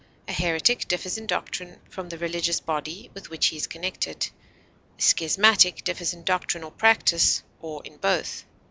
A heretic differs in doctrine from the religious body with which he is connected; a schismatic differs in doctrine or practise, or in both.